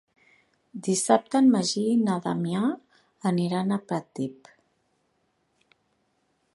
Dissabte en Magí i na Damià aniran a Pratdip.